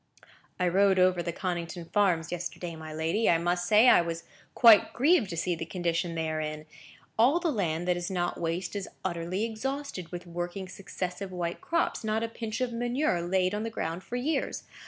"I rode over the Connington farms yesterday, my lady. I must say I was quite grieved to see the condition they are in; all the land that is not waste is utterly exhausted with working successive white crops. Not a pinch of manure laid on the ground for years.